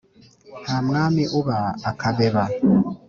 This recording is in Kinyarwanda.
Nta mwami uba akabeba.